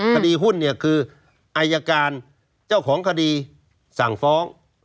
คดีหุ้นคือไอ้ยาการเจ้าของคดีสั่งฟ้อง